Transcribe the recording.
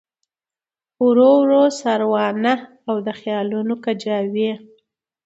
ورو ورو ساروانه او د خیالونو کجاوې